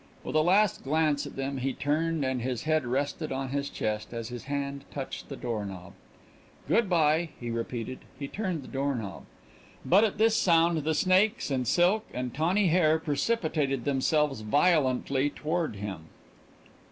With a last glance at them he turned and his head rested on his chest as his hand touched the door knob. "Good by," he repeated. He turned the door knob. But at this sound the snakes and silk and tawny hair precipitated themselves violently toward him.